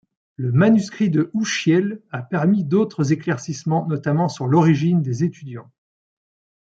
Le manuscrit de Houshiel a permis d'autres éclaircissements, notamment sur l'origine des étudiants.